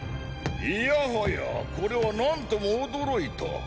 いやはやこれは何とも驚いた。